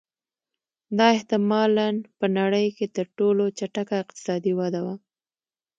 دا احتما لا په نړۍ کې تر ټولو چټکه اقتصادي وده وه